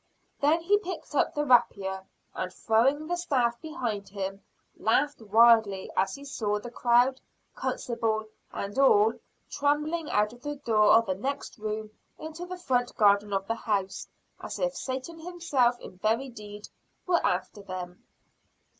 Then he picked up the rapier and throwing the staff behind him, laughed wildly as he saw the crowd, constable and all, tumbling out of the door of the next room into the front garden of the house as if Satan himself in very deed, were after them.